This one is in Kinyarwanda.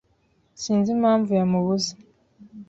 Sinzi impamvu yamubuze.